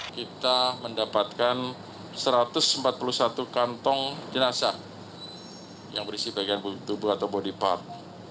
kita mendapatkan satu ratus empat puluh satu kantong jenazah yang berisi bagian tubuh atau body part